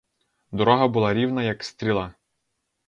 Дорога була рівна, як стріла.